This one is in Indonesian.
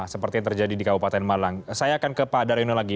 seperti yang terjadi di kabupaten malang saya akan ke pak daryono lagi